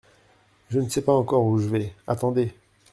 Je ne sais pas encore où je vais, attendez !